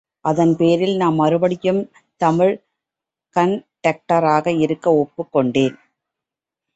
அதன்பேரில் நான் மறுபடியும் தமிழ் கண்டக்டராக இருக்க ஒப்புக்கொண்டேன்.